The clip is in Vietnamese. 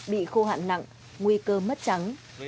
bị khô hạn nặng nguy cơ mất trắng